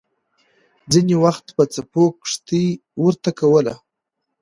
ځینې وخت به څپو کښتۍ پورته کوله.